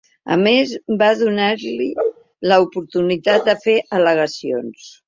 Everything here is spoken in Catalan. A més, va donar-li l’oportunitat de fer al·legacions.